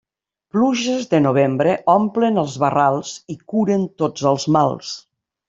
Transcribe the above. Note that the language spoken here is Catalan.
Pluges de novembre, omplen els barrals i curen tots els mals.